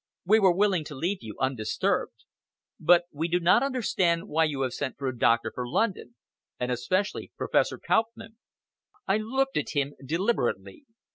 We were willing to leave you undisturbed. But we do not understand why you have sent for a doctor from London and especially Professor Kauppmann!" I looked at him deliberately.